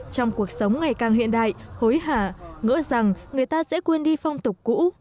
trong cuộc sống ngày càng hiện đại hối hạ ngỡ rằng người ta sẽ quên đi phong tục cũ